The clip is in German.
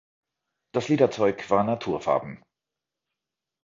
Das Lederzeug war naturfarben.